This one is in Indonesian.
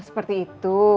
oh seperti itu